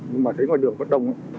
nhưng mà thấy ngoài đường rất đông